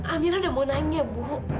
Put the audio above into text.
amirah sudah mau nanya bu